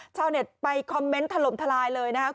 ชาวเน็ตไปคอมเมนต์ถล่มทลายเลยนะครับ